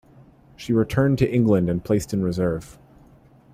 She returned to England and placed in reserve.